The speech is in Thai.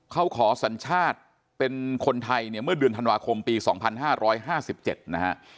เขาขอสัญชาติเป็นคนไทยเนี่ยเมื่อเดือนธันวาคมปี๒๕๕๗นะฮะ